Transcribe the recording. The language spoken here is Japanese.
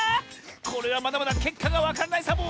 これはまだまだけっかがわからないサボ！